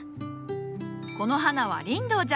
この花はリンドウじゃ。